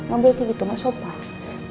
gak boleh begitu gak sopan